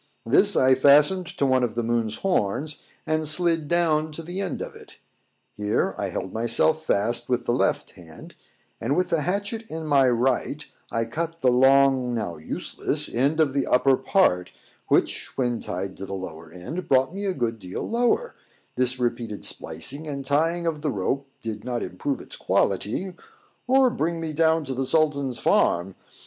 This I fastened to one of the moon's horns, and slid down to the end of it. Here I held myself fast with the left hand, and with the hatchet in my right, I cut the long, now useless end of the upper part, which, when tied to the lower end, brought me a good deal lower: this repeated splicing and tying of the rope did not improve its quality, or bring me down to the Sultan's farm.